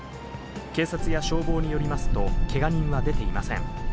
警察や消防によりますと、けが人は出ていません。